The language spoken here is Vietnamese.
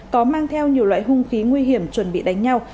có mang theo nhiều loại hung khí nguy hiểm chuẩn bị đánh nhau